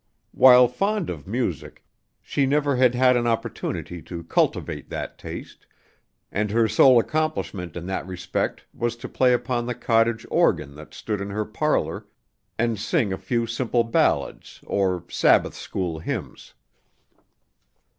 While fond of music, she never had had an opportunity to cultivate that taste, and her sole accomplishment in that respect was to play upon the cottage organ that stood in her parlor, and sing a few simple ballads or Sabbath school hymns.